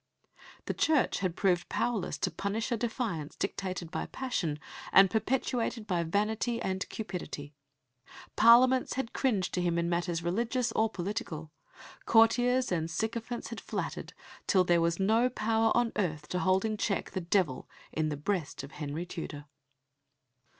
The Church had proved powerless to punish a defiance dictated by passion and perpetuated by vanity and cupidity; Parliaments had cringed to him in matters religious or political, courtiers and sycophants had flattered, until "there was no power on earth to hold in check the devil in the breast of Henry Tudor."